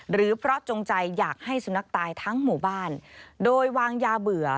หรือเพราะจงใจอยากให้สุนัขตายทั้งหมู่บ้านโดยวางยาเบื่อ